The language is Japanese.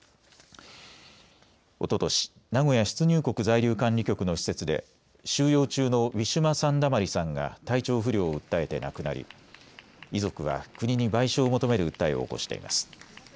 おととし名古屋出入国在留管理局の施設で収容中のウィシュマ・サンダマリさんが体調不良を訴えて亡くなり遺族は国に賠償を求める訴えを起こしています。